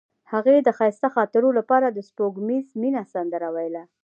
هغې د ښایسته خاطرو لپاره د سپوږمیز مینه سندره ویله.